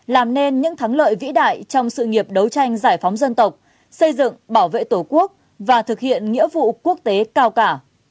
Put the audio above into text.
làm nên những thắng lợi vĩ đại trong sự nghiệp đấu tranh giải phóng dân tộc xây dựng bảo vệ tổ quốc và thực hiện nghĩa vụ quốc tế cao cả